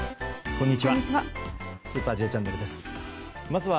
こんにちは。